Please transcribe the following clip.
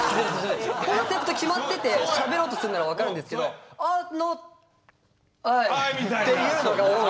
コンセプト決まっててしゃべろうとするなら分かるんですけど「あのはい」っていうのが多い。